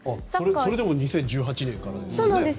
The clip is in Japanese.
それでも２０１８年からなんですね。